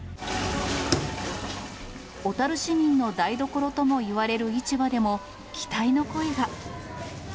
小樽市民の台所ともいわれる市場でも、期待の声が。